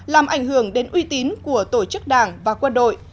làm ảnh hưởng đến uy tín của tổ chức đảng và quân đội